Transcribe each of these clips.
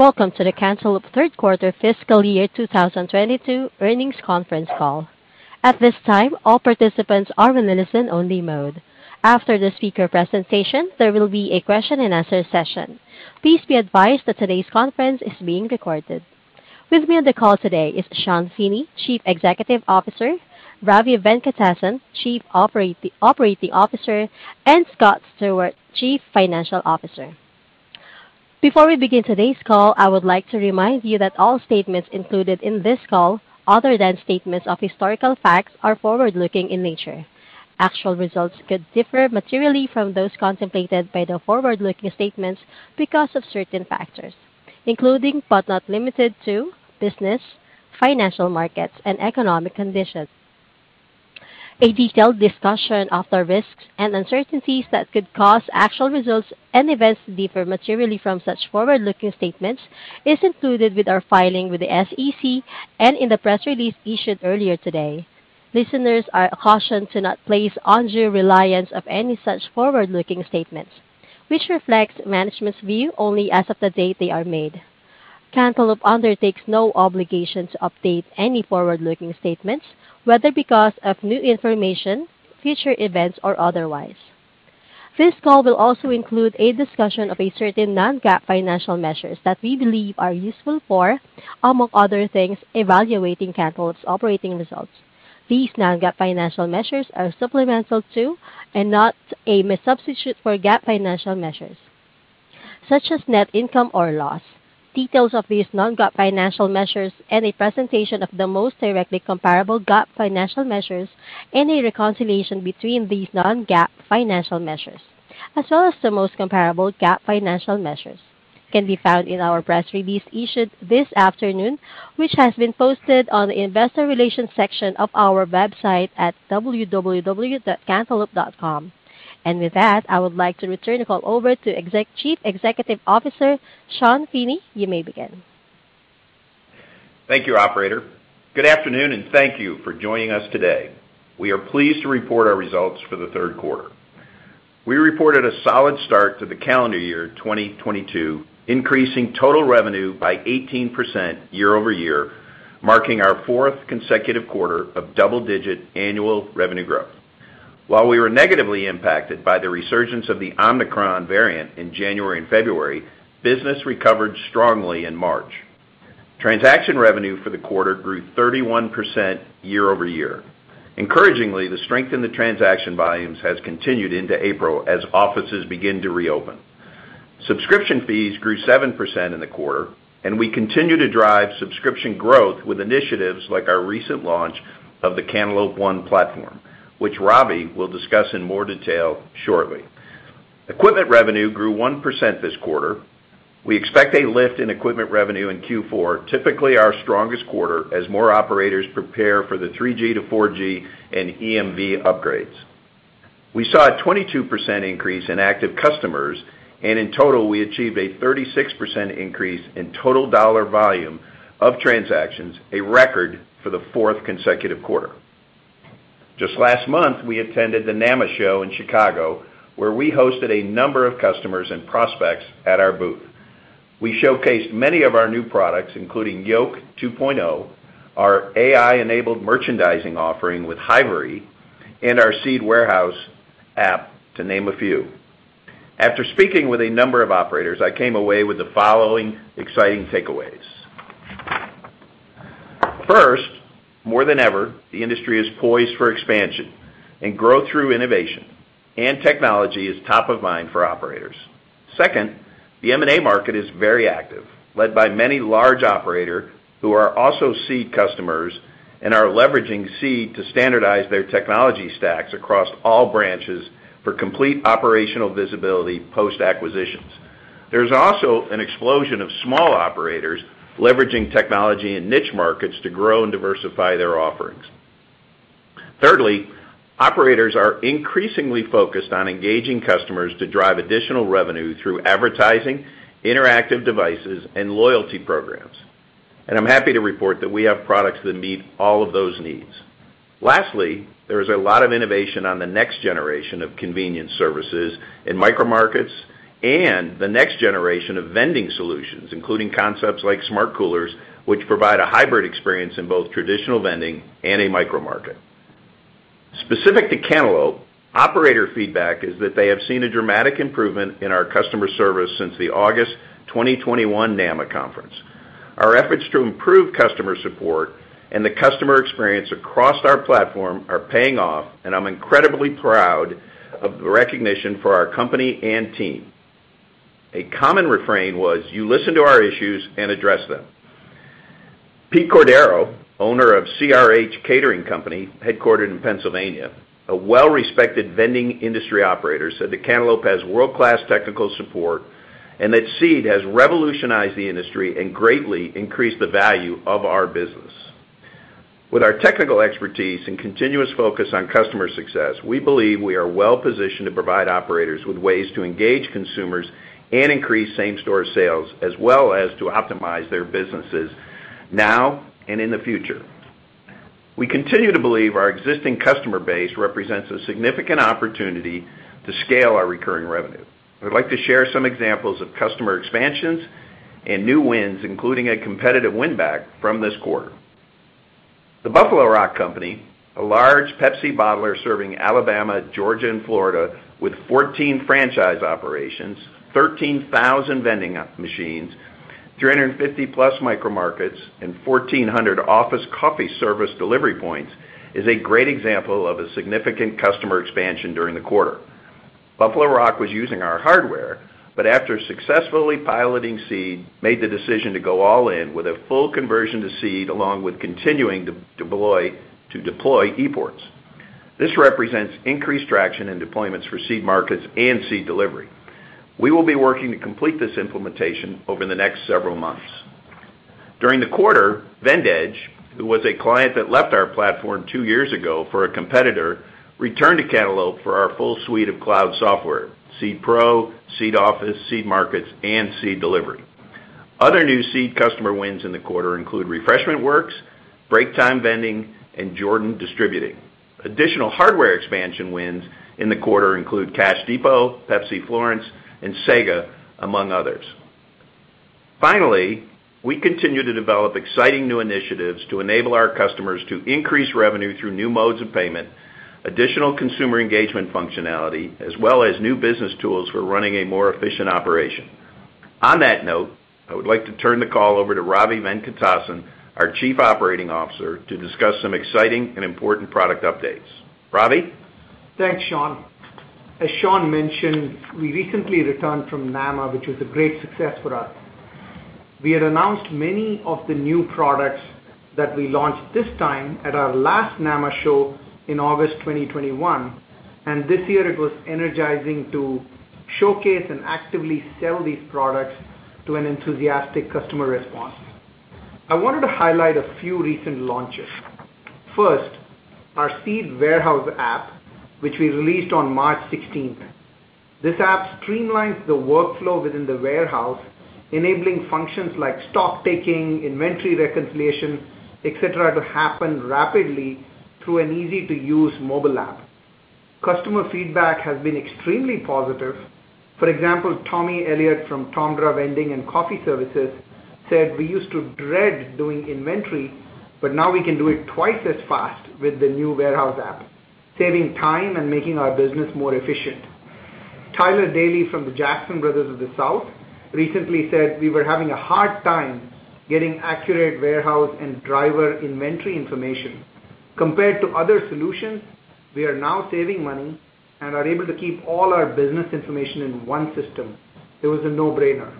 Welcome to the Cantaloupe third quarter fiscal year 2022 earnings conference call. At this time, all participants are in listen-only mode. After the speaker presentation, there will be a question-and-answer session. Please be advised that today's conference is being recorded. With me on the call today is Sean Feeney, Chief Executive Officer, Ravi Venkatesan, Chief Operating Officer, and Scott Stewart, Chief Financial Officer. Before we begin today's call, I would like to remind you that all statements included in this call, other than statements of historical facts, are forward-looking in nature. Actual results could differ materially from those contemplated by the forward-looking statements because of certain factors, including, but not limited to business, financial markets, and economic conditions. A detailed discussion of the risks and uncertainties that could cause actual results and events to differ materially from such forward-looking statements is included with our filing with the SEC and in the press release issued earlier today. Listeners are cautioned to not place undue reliance on any such forward-looking statements, which reflects management's view only as of the date they are made. Cantaloupe undertakes no obligation to update any forward-looking statements, whether because of new information, future events, or otherwise. This call will also include a discussion of a certain non-GAAP financial measures that we believe are useful for, among other things, evaluating Cantaloupe's operating results. These non-GAAP financial measures are supplemental to, and not a substitute for, GAAP financial measures, such as net income or loss. Details of these non-GAAP financial measures and a presentation of the most directly comparable GAAP financial measures and a reconciliation between these non-GAAP financial measures, as well as the most comparable GAAP financial measures, can be found in our press release issued this afternoon, which has been posted on the investor relations section of our website at www.cantaloupe.com. With that, I would like to return the call over to Chief Executive Officer, Sean Feeney. You may begin. Thank you, operator. Good afternoon, and thank you for joining us today. We are pleased to report our results for the third quarter. We reported a solid start to the calendar year 2022, increasing total revenue by 18% year-over-year, marking our fourth consecutive quarter of double-digit annual revenue growth. While we were negatively impacted by the resurgence of the Omicron variant in January and February, business recovered strongly in March. Transaction revenue for the quarter grew 31% year-over-year. Encouragingly, the strength in the transaction volumes has continued into April as offices begin to reopen. Subscription fees grew 7% in the quarter, and we continue to drive subscription growth with initiatives like our recent launch of the Cantaloupe ONE platform, which Ravi will discuss in more detail shortly. Equipment revenue grew 1% this quarter. We expect a lift in equipment revenue in Q4, typically our strongest quarter, as more operators prepare for the 3G to 4G and EMV upgrades. We saw a 22% increase in active customers, and in total, we achieved a 36% increase in total dollar volume of transactions, a record for the fourth consecutive quarter. Just last month, we attended the NAMA show in Chicago, where we hosted a number of customers and prospects at our booth. We showcased many of our new products, including Yoke 2.0, our AI-enabled merchandising offering with HIVERY, and our Seed Warehouse app, to name a few. After speaking with a number of operators, I came away with the following exciting takeaways. First, more than ever, the industry is poised for expansion and growth through innovation, and technology is top of mind for operators. Second, the M&A market is very active, led by many large operators who are also Seed customers and are leveraging Seed to standardize their technology stacks across all branches for complete operational visibility post-acquisitions. There's also an explosion of small operators leveraging technology in niche markets to grow and diversify their offerings. Thirdly, operators are increasingly focused on engaging customers to drive additional revenue through advertising, interactive devices, and loyalty programs, and I'm happy to report that we have products that meet all of those needs. Lastly, there's a lot of innovation on the next generation of convenience services in micromarkets and the next generation of vending solutions, including concepts like smart coolers, which provide a hybrid experience in both traditional vending and a micromarket. Specific to Cantaloupe, operator feedback is that they have seen a dramatic improvement in our customer service since the August 2021 NAMA conference. Our efforts to improve customer support and the customer experience across our platform are paying off, and I'm incredibly proud of the recognition for our company and team. A common refrain was, "You listen to our issues and address them." Peter Cordero, owner of CRH Catering Company, headquartered in Pennsylvania, a well-respected vending industry operator, said that Cantaloupe has world-class technical support and that Seed has revolutionized the industry and greatly increased the value of our business. With our technical expertise and continuous focus on customer success, we believe we are well-positioned to provide operators with ways to engage consumers and increase same-store sales as well as to optimize their businesses now and in the future. We continue to believe our existing customer base represents a significant opportunity to scale our recurring revenue. I'd like to share some examples of customer expansions and new wins, including a competitive win-back from this quarter. The Buffalo Rock Company, a large Pepsi bottler serving Alabama, Georgia, and Florida with 14 franchise operations, 13,000 vending machines, 350+ micromarkets, and 1,400 office coffee service delivery points, is a great example of a significant customer expansion during the quarter. Buffalo Rock was using our hardware, but after successfully piloting Seed, made the decision to go all in with a full conversion to Seed, along with continuing to deploy ePorts. This represents increased traction in deployments for Seed Markets and Seed Delivery. We will be working to complete this implementation over the next several months. During the quarter, VendEdge, who was a client that left our platform two years ago for a competitor, returned to Cantaloupe for our full suite of cloud software, Seed Pro, Seed Office, Seed Markets and Seed Delivery. Other new Seed customer wins in the quarter include Refreshment Works, Breaktime Vending, and Jordan Distributing. Additional hardware expansion wins in the quarter include Cash Depot, Pepsi Florence, and Seaga, among others. Finally, we continue to develop exciting new initiatives to enable our customers to increase revenue through new modes of payment, additional consumer engagement functionality, as well as new business tools for running a more efficient operation. On that note, I would like to turn the call over to Ravi Venkatesan, our Chief Operating Officer, to discuss some exciting and important product updates. Ravi? Thanks, Sean. As Sean mentioned, we recently returned from NAMA, which was a great success for us. We had announced many of the new products that we launched this time at our last NAMA show in August 2021, and this year it was energizing to showcase and actively sell these products to an enthusiastic customer response. I wanted to highlight a few recent launches. First, our Seed Warehouse app, which we released on March sixteenth. This app streamlines the workflow within the warehouse, enabling functions like stock taking, inventory reconciliation, et cetera, to happen rapidly through an easy-to-use mobile app. Customer feedback has been extremely positive. For example, Tommy Elliott from Elliott's Vending and Coffee Services said, "We used to dread doing inventory, but now we can do it twice as fast with the new Warehouse app, saving time and making our business more efficient." Tyler Daley from the Jackson Brothers of the South recently said, "We were having a hard time getting accurate warehouse and driver inventory information. Compared to other solutions, we are now saving money and are able to keep all our business information in one system. It was a no-brainer."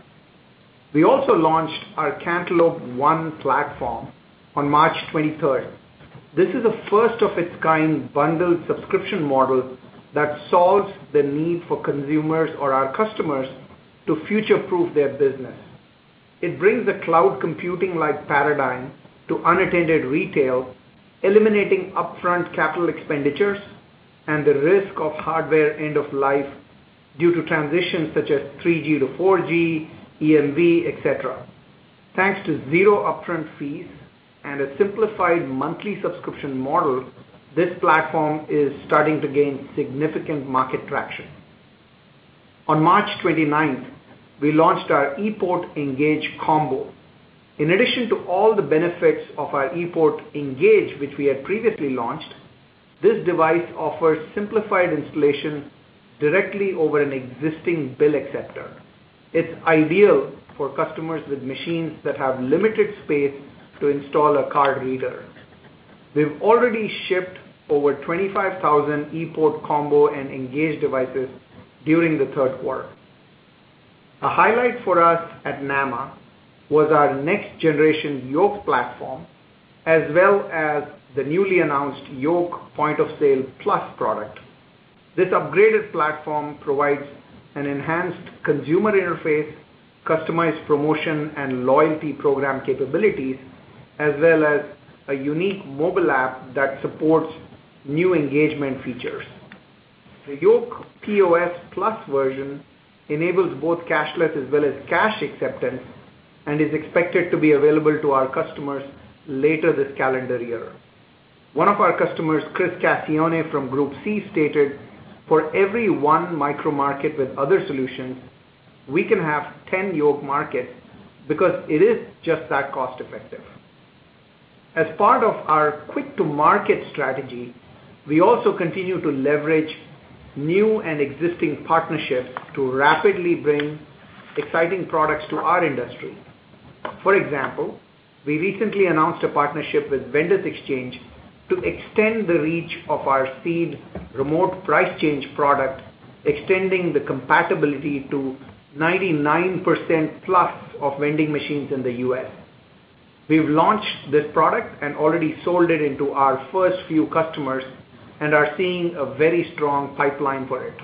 We also launched our Cantaloupe ONE platform on March twenty-third. This is a first-of-its-kind bundled subscription model that solves the need for consumers or our customers to future-proof their business. It brings a cloud computing-like paradigm to unattended retail, eliminating upfront capital expenditures and the risk of hardware end of life due to transitions such as 3G to 4G, EMV, et cetera. Thanks to zero upfront fees and a simplified monthly subscription model, this platform is starting to gain significant market traction. On March twenty-ninth, we launched our ePort Engage Combo. In addition to all the benefits of our ePort Engage, which we had previously launched, this device offers simplified installation directly over an existing bill acceptor. It's ideal for customers with machines that have limited space to install a card reader. We've already shipped over 25,000 ePort Combo and Engage devices during the third quarter. A highlight for us at NAMA was our next-generation Yoke platform, as well as the newly announced Yoke POS+ product. This upgraded platform provides an enhanced consumer interface, customized promotion, and loyalty program capabilities, as well as a unique mobile app that supports new engagement features. The Yoke POS+ version enables both cashless as well as cash acceptance, and is expected to be available to our customers later this calendar year. One of our customers, Chris Cascione from Group C, stated, "For every one micro market with other solutions, we can have 10 Yoke markets, because it is just that cost-effective." As part of our quick-to-market strategy, we also continue to leverage new and existing partnerships to rapidly bring exciting products to our industry. For example, we recently announced a partnership with Vendors Exchange to extend the reach of our Seed remote price change product, extending the compatibility to 99%+ of vending machines in the U.S. We've launched this product and already sold it into our first few customers and are seeing a very strong pipeline for it.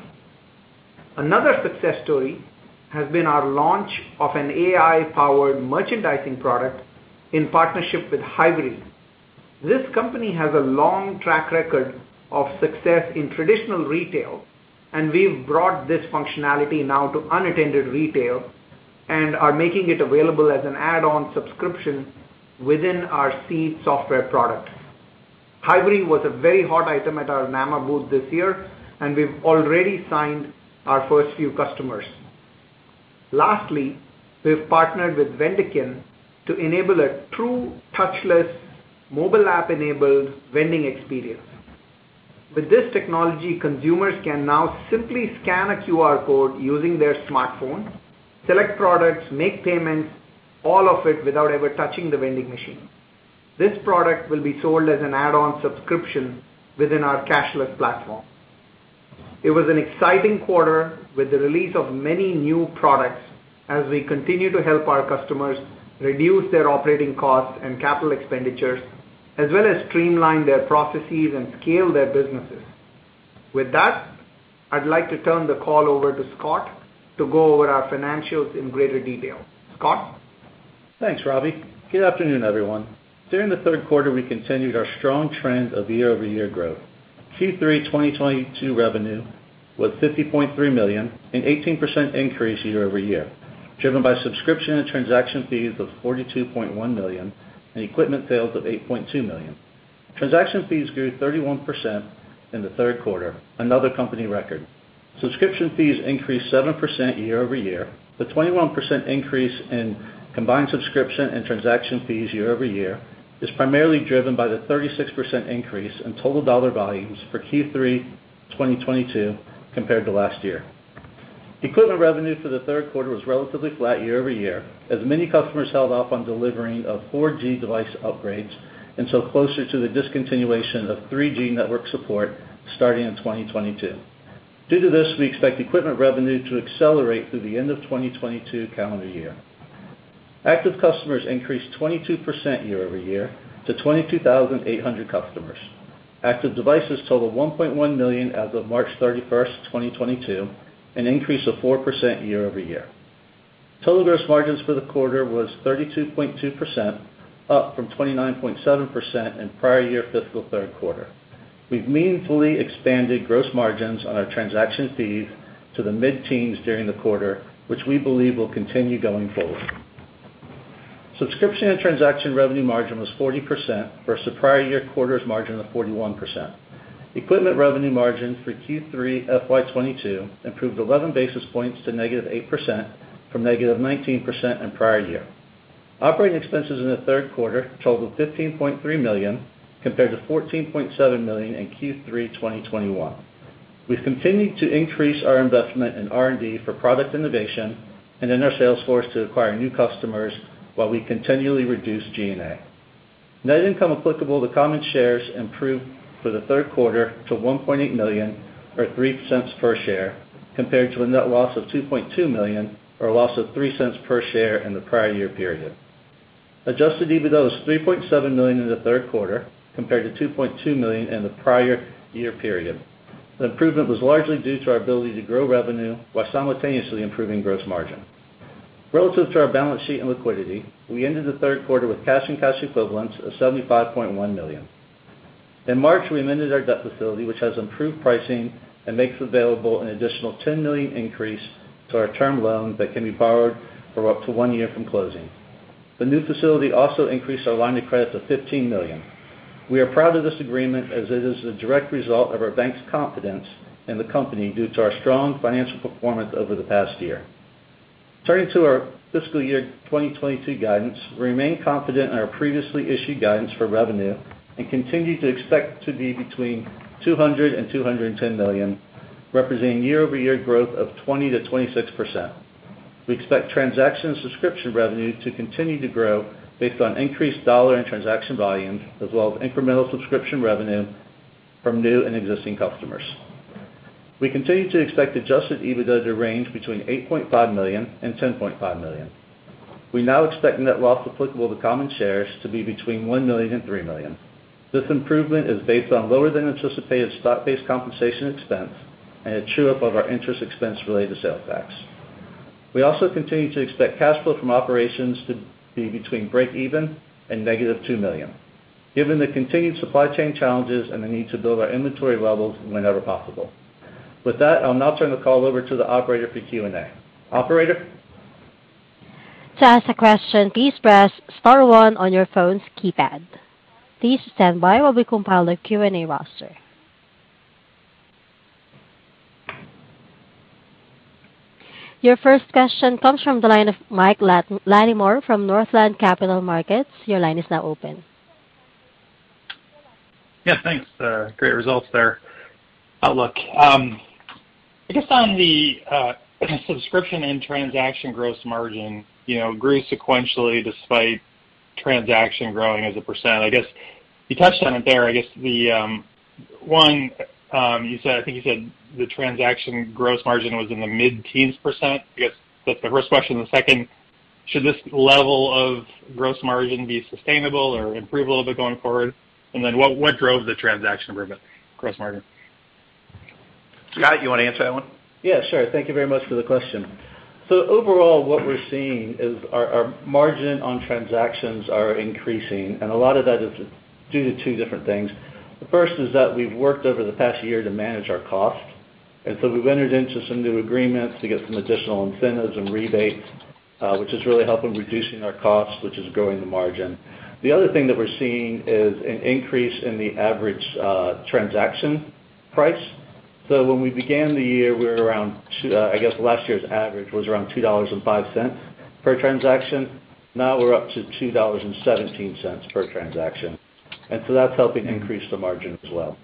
Another success story has been our launch of an AI-powered merchandising product in partnership with HIVERY. This company has a long track record of success in traditional retail, and we've brought this functionality now to unattended retail. We are making it available as an add-on subscription within our Seed software product. Hybrid was a very hot item at our NAMA booth this year, and we've already signed our first few customers. We've partnered with Vendekin to enable a true touchless mobile app-enabled vending experience. With this technology, consumers can now simply scan a QR code using their smartphone, select products, make payments, all of it without ever touching the vending machine. This product will be sold as an add-on subscription within our cashless platform. It was an exciting quarter with the release of many new products as we continue to help our customers reduce their operating costs and capital expenditures, as well as streamline their processes and scale their businesses. With that, I'd like to turn the call over to Scott to go over our financials in greater detail. Scott? Thanks, Ravi. Good afternoon, everyone. During the third quarter, we continued our strong trend of year-over-year growth. Q3 2022 revenue was $50.3 million, an 18% increase year-over-year, driven by subscription and transaction fees of $42.1 million and equipment sales of $8.2 million. Transaction fees grew 31% in the third quarter, another company record. Subscription fees increased 7% year-over-year, with 21% increase in combined subscription and transaction fees year-over-year is primarily driven by the 36% increase in total dollar volumes for Q3 2022 compared to last year. Equipment revenue for the third quarter was relatively flat year-over-year, as many customers held off on delivery of 4G device upgrades until closer to the discontinuation of 3G network support starting in 2022. Due to this, we expect equipment revenue to accelerate through the end of 2022 calendar year. Active customers increased 22% year over year to 22,800 customers. Active devices total 1.1 million as of March 31, 2022, an increase of 4% year over year. Total gross margins for the quarter was 32.2%, up from 29.7% in prior year fiscal third quarter. We've meaningfully expanded gross margins on our transaction fees to the mid-teens during the quarter, which we believe will continue going forward. Subscription and transaction revenue margin was 40% versus the prior year quarter's margin of 41%. Equipment revenue margin for Q3 FY 2022 improved 11 basis points to -8% from -19% in prior year. Operating expenses in the third quarter totaled $15.3 million, compared to $14.7 million in Q3 2021. We've continued to increase our investment in R&D for product innovation and in our sales force to acquire new customers while we continually reduce G&A. Net income applicable to common shares improved for the third quarter to $1.8 million or 3 cents per share, compared to a net loss of $2.2 million or a loss of 3 cents per share in the prior year period. Adjusted EBITDA was $3.7 million in the third quarter, compared to $2.2 million in the prior year period. The improvement was largely due to our ability to grow revenue while simultaneously improving gross margin. Relative to our balance sheet and liquidity, we ended the third quarter with cash and cash equivalents of $75.1 million. In March, we amended our debt facility, which has improved pricing and makes available an additional $10 million increase to our term loan that can be borrowed for up to one year from closing. The new facility also increased our line of credit to $15 million. We are proud of this agreement as it is a direct result of our bank's confidence in the company due to our strong financial performance over the past year. Turning to our fiscal year 2022 guidance, we remain confident in our previously issued guidance for revenue and continue to expect to be between $200 million and $210 million, representing year-over-year growth of 20%-26%. We expect transaction subscription revenue to continue to grow based on increased dollar and transaction volumes, as well as incremental subscription revenue from new and existing customers. We continue to expect adjusted EBITDA to range between $8.5 million-$10.5 million. We now expect net loss applicable to common shares to be between $1 million-$3 million. This improvement is based on lower than anticipated stock-based compensation expense and a true-up of our interest expense related to sales tax. We also continue to expect cash flow from operations to be between break even and -$2 million, given the continued supply chain challenges and the need to build our inventory levels whenever possible. With that, I'll now turn the call over to the operator for Q&A. Operator? To ask a question, please press star one on your phone's keypad. Please stand by while we compile a Q&A roster. Your first question comes from the line of Mike Latimore from Northland Capital Markets. Your line is now open. Yeah, thanks. Great results there. Outlook. I guess on the subscription and transaction gross margin, you know, grew sequentially despite transaction growing as a %. I guess you touched on it there. I guess the one, you said, I think you said the transaction gross margin was in the mid-teens percent. I guess that's the first question. The second, should this level of gross margin be sustainable or improve a little bit going forward? What drove the transaction improvement, gross margin? Scott, you wanna answer that one? Yeah, sure. Thank you very much for the question. Overall, what we're seeing is our margin on transactions are increasing, and a lot of that is Due to two different things. The first is that we've worked over the past year to manage our costs, and so we've entered into some new agreements to get some additional incentives and rebates, which has really helped in reducing our costs, which is growing the margin. The other thing that we're seeing is an increase in the average transaction price. When we began the year, I guess last year's average was around $2.05 per transaction. Now we're up to $2.17 per transaction. That's helping increase the margin as well.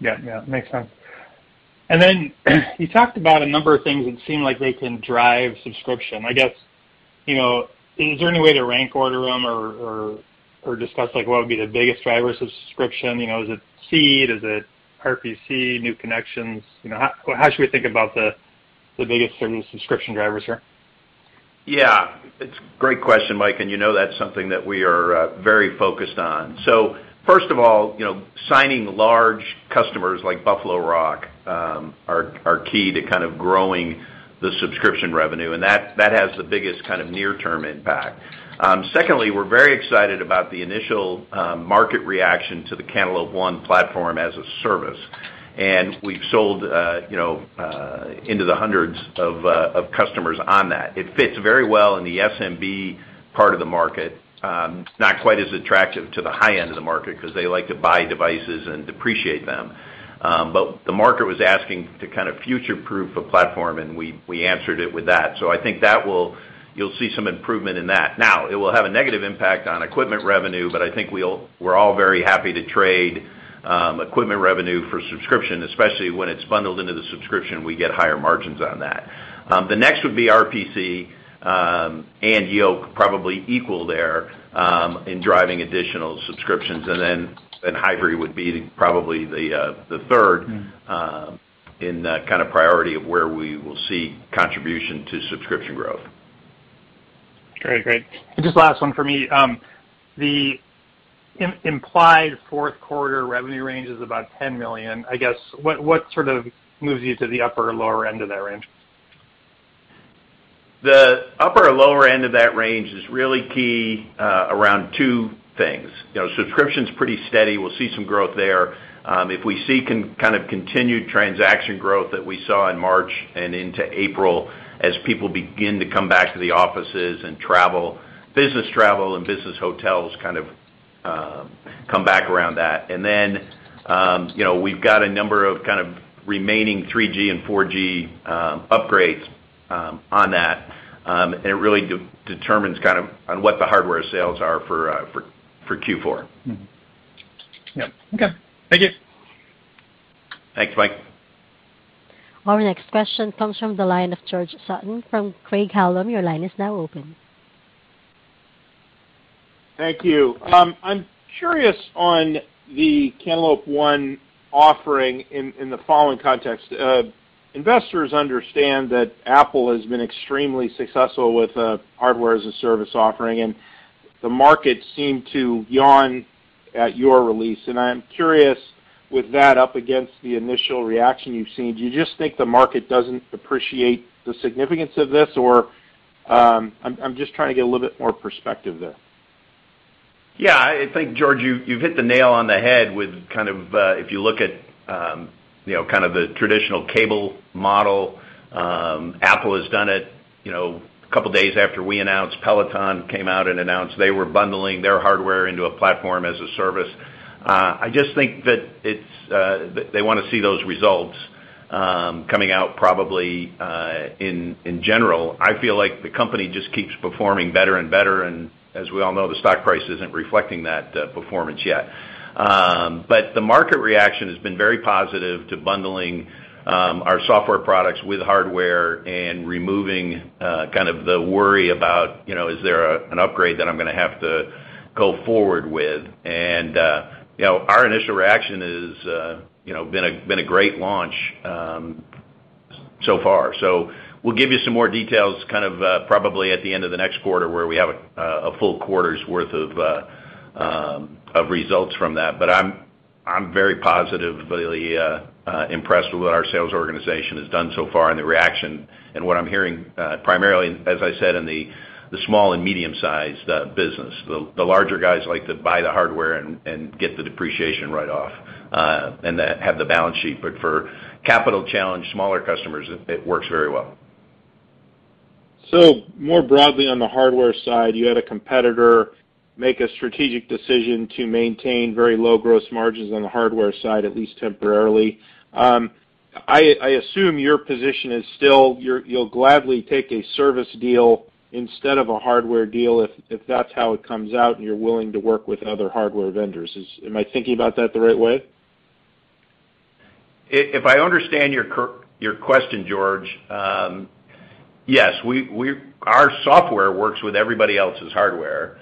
Yeah. Makes sense. Then you talked about a number of things that seem like they can drive subscription. I guess, you know, is there any way to rank order them or discuss like what would be the biggest driver subscription? You know, is it Seed? Is it RPC, new connections? You know, how should we think about the biggest subscription drivers here? Yeah. It's a great question, Mike. You know that's something that we are very focused on. First of all, you know, signing large customers like Buffalo Rock are key to kind of growing the subscription revenue, and that has the biggest kind of near-term impact. Secondly, we're very excited about the initial market reaction to the Cantaloupe One platform as a service. We've sold, you know, into the hundreds of customers on that. It fits very well in the SMB part of the market, not quite as attractive to the high-end of the market 'cause they like to buy devices and depreciate them. The market was asking to kind of future-proof a platform, and we answered it with that. I think that will. You'll see some improvement in that. Now, it will have a negative impact on equipment revenue, but I think we're all very happy to trade equipment revenue for subscription, especially when it's bundled into the subscription, we get higher margins on that. The next would be RPC and Yoke probably equal there in driving additional subscriptions. Then, HIVERY would be probably the third- Mm. In that kind of priority of where we will see contribution to subscription growth. Great. Just last one for me. The implied fourth quarter revenue range is about $10 million. I guess, what sort of moves you to the upper or lower end of that range? The upper or lower end of that range is really key around two things. You know, subscription's pretty steady. We'll see some growth there. If we see kind of continued transaction growth that we saw in March and into April as people begin to come back to the offices and travel, business travel and business hotels kind of come back around that. You know, we've got a number of kind of remaining 3G and 4G upgrades on that, and it really determines kind of on what the hardware sales are for Q4. Mm-hmm. Yep. Okay. Thank you. Thanks, Mike. Our next question comes from the line of George Sutton from Craig-Hallum. Your line is now open. Thank you. I'm curious on the Cantaloupe ONE offering in the following context. Investors understand that Apple has been extremely successful with hardware as a service offering, and the market seemed to yawn at your release. I'm curious with that up against the initial reaction you've seen, do you just think the market doesn't appreciate the significance of this? Or, I'm just trying to get a little bit more perspective there. Yeah. I think, George, you've hit the nail on the head with kind of if you look at you know kind of the traditional cable model. Apple has done it. You know, a couple days after we announced, Peloton came out and announced they were bundling their hardware into a platform as a service. I just think that they wanna see those results coming out probably in general. I feel like the company just keeps performing better and better, and as we all know, the stock price isn't reflecting that performance yet. The market reaction has been very positive to bundling our software products with hardware and removing kind of the worry about you know is there an upgrade that I'm gonna have to go forward with. Our initial reaction is you know been a great launch so far. We'll give you some more details kind of probably at the end of the next quarter where we have a full quarter's worth of results from that. I'm very positively impressed with what our sales organization has done so far and the reaction. What I'm hearing primarily, as I said, in the small and medium-sized business. The larger guys like to buy the hardware and get the depreciation right off and they have the balance sheet. For capital-challenged smaller customers, it works very well. More broadly on the hardware side, you had a competitor make a strategic decision to maintain very low gross margins on the hardware side at least temporarily. I assume your position is still you'll gladly take a service deal instead of a hardware deal if that's how it comes out and you're willing to work with other hardware vendors. Am I thinking about that the right way? If I understand your question, George, yes. Our software works with everybody else's hardware.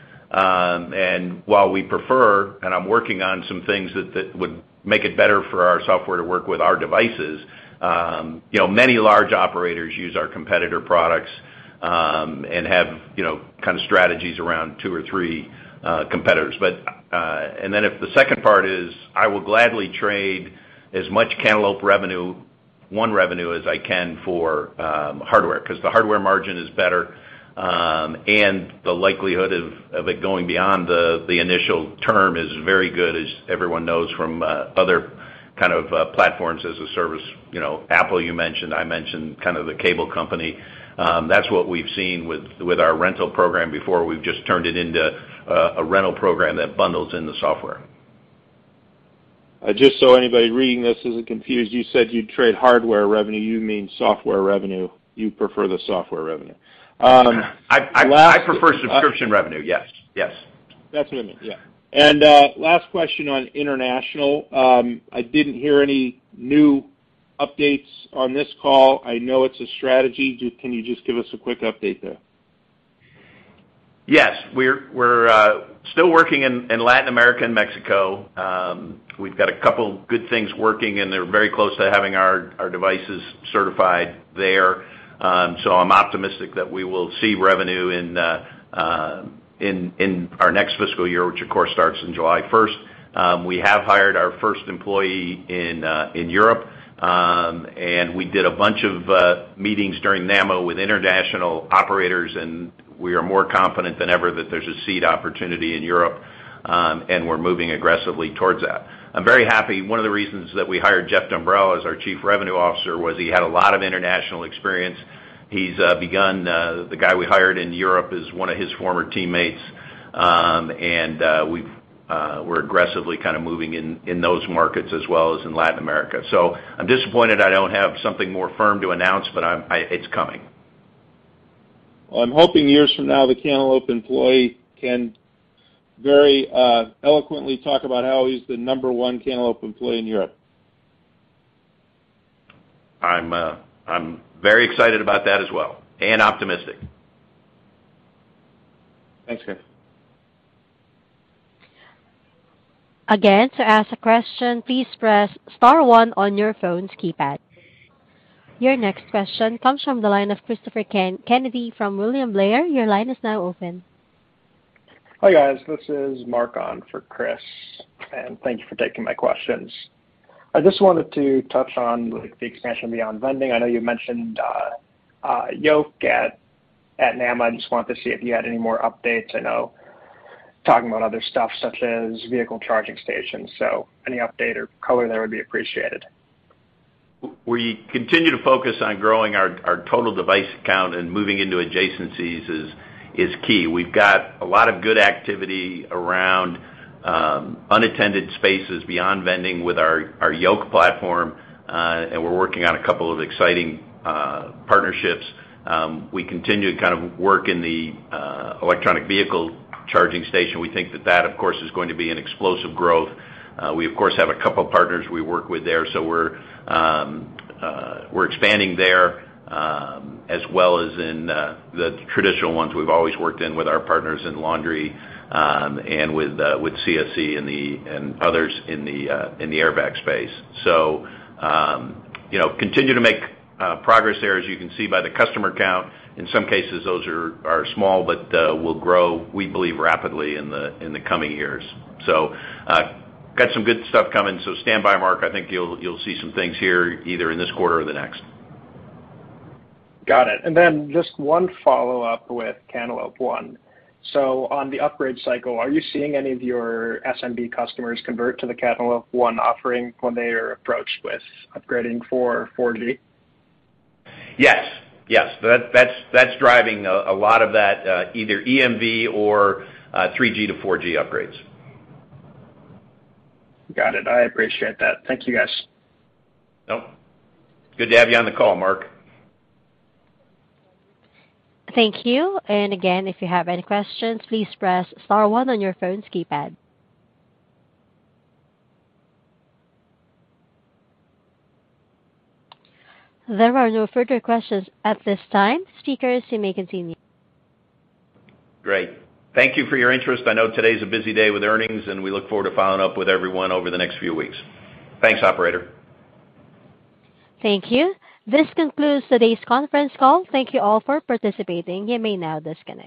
While we prefer, and I'm working on some things that would make it better for our software to work with our devices, you know, many large operators use our competitor products, and have you know, kind of strategies around two or three competitors. If the second part is, I will gladly trade as much Cantaloupe revenue, ONE revenue as I can for hardware, 'cause the hardware margin is better, and the likelihood of it going beyond the initial term is very good, as everyone knows from other kind of platforms as a service. You know, Apple, you mentioned, I mentioned kind of the cable company. That's what we've seen with our rental program before. We've just turned it into a rental program that bundles in the software. Just so anybody reading this isn't confused, you said you'd trade hardware revenue, you mean software revenue. You prefer the software revenue. I prefer subscription revenue. Yes. Yes. That's what I meant, yeah. Last question on international, I didn't hear any new updates on this call. I know it's a strategy. Can you just give us a quick update there? Yes. We're still working in Latin America and Mexico. We've got a couple good things working, and they're very close to having our devices certified there. I'm optimistic that we will see revenue in our next fiscal year, which of course starts in July 1st. We have hired our first employee in Europe. We did a bunch of meetings during NAMA with international operators, and we are more confident than ever that there's a Seed opportunity in Europe, and we're moving aggressively towards that. I'm very happy. One of the reasons that we hired Jeff Dumbrell as our Chief Revenue Officer was he had a lot of international experience. He's begun. The guy we hired in Europe is one of his former teammates. We're aggressively kind of moving in those markets as well as in Latin America. I'm disappointed I don't have something more firm to announce, it's coming. Well, I'm hoping years from now, the Cantaloupe employee can very eloquently talk about how he's the number one Cantaloupe employee in Europe. I'm very excited about that as well, and optimistic. Thanks, guys. Again, to ask a question, please press star one on your phone's keypad. Your next question comes from the line of Christopher Kennedy from William Blair. Your line is now open. Hi, guys. This is Mark on for Chris, and thank you for taking my questions. I just wanted to touch on, like, the expansion beyond vending. I know you mentioned Yoke at NAMA. I just wanted to see if you had any more updates. I know talking about other stuff such as vehicle charging stations. Any update or color there would be appreciated. We continue to focus on growing our total device count and moving into adjacencies is key. We've got a lot of good activity around unattended spaces beyond vending with our Yoke platform, and we're working on a couple of exciting partnerships. We continue to kind of work in the electric vehicle charging station. We think that, of course, is going to be an explosive growth. We of course have a couple of partners we work with there, so we're expanding there, as well as in the traditional ones we've always worked in with our partners in laundry, and with CSC and others in the air vac space. You know, continue to make progress there, as you can see by the customer count. In some cases, those are small, but will grow, we believe, rapidly in the coming years. Got some good stuff coming. Stand by, Mark. I think you'll see some things here either in this quarter or the next. Got it. Just one follow-up with Cantaloupe ONE. On the upgrade cycle, are you seeing any of your SMB customers convert to the Cantaloupe ONE offering when they are approached with upgrading for 4G? Yes. Yes. That's driving a lot of that, either EMV or 3G to 4G upgrades. Got it. I appreciate that. Thank you, guys. Nope. Good to have you on the call, Mark. Thank you. Again, if you have any questions, please press star one on your phone's keypad. There are no further questions at this time. Speakers, you may continue. Great. Thank you for your interest. I know today's a busy day with earnings, and we look forward to following up with everyone over the next few weeks. Thanks, operator. Thank you. This concludes today's conference call. Thank you all for participating. You may now disconnect.